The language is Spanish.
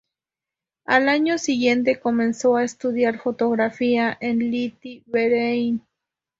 Al año siguiente, comenzó a estudiar fotografía en Lette-Verein.